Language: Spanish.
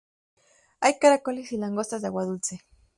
Hay caracoles y langostas de agua dulce.